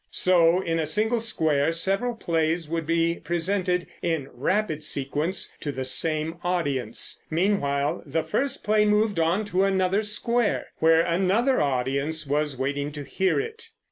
So in a single square several plays would be presented in rapid sequence to the same audience. Meanwhile the first play moved on to another square, where another audience was waiting to hear it.